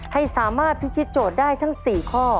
ให้สามารถพิธีโจทย์ได้ทั้ง๔ข้อ